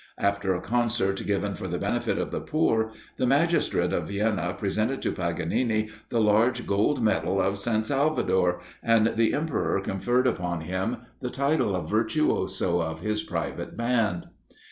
After a concert given for the benefit of the poor, the magistrate of Vienna presented to Paganini the large gold medal of St. Salvador, and the Emperor conferred upon him the title of virtuoso of his private band.